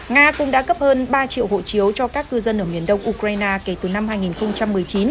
nga cũng đã cấp hơn ba triệu hộ chiếu cho các cư dân ở miền đông ukraine kể từ năm hai nghìn một mươi chín